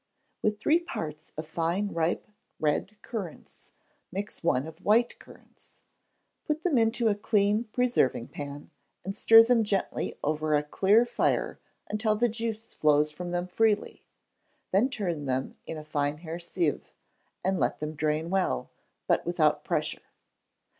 With three parts of fine ripe red currants mix one of white currants; put them into a clean preserving pan, and stir them gently over a clear fire until the juice flows from them freely; then turn them in a fine hair sieve, and let them drain well, but without pressure.